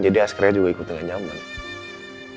jadi askara juga ikut nggak nyaman